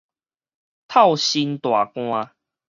透身大汗